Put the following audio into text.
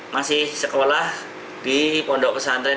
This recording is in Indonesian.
masih sekolah di pondok pesantren